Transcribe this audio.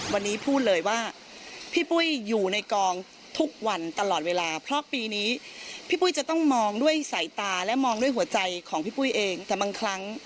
เวลาที่เค้าเหนื่อยเค้าหิวเค้าต้องทำงานหนักที่แน่นอน